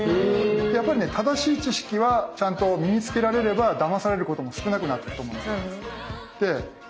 やっぱりね正しい知識はちゃんと身に付けられればだまされることも少なくなっていくと思うんです。